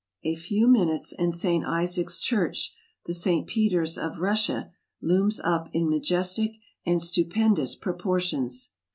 A few minutes, and St. Isaac's Church, the St. Peter's of Russia, looms up in ma jestic and stupendous proportions.